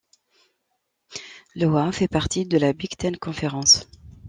Iowa fait partie de la Big Ten Conference.